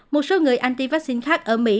một số người anti vaccine khác ở mỹ